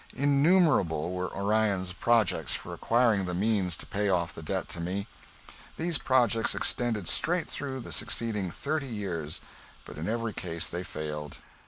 Innumerable were Orion's projects for acquiring the means to pay off the debt to me. These projects extended straight through the succeeding thirty years, but in every case they failed.